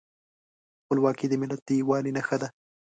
خپلواکي د ملت د یووالي نښه ده.